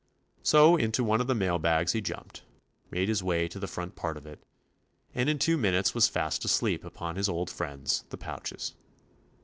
So into one of the wagons he jumped, made his way to the front part of it, and in two min utes was fast asleep upon his old friends, the pouches.